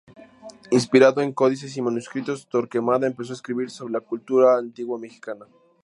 Inspirado en códices y manuscritos, Torquemada empezó a escribir sobre la cultura antigua mexicana.